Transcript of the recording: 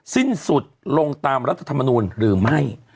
สิ้นสุดลงตามรัฐธรรมนูลหรือไม่